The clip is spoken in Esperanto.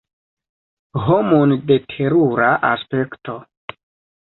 Homon de terura aspekto!